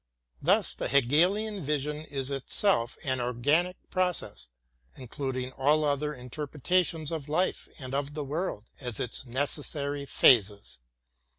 Thus the Hegelian vision is itself an organic process, including all other interpretations of life and of the world as its necessary phases.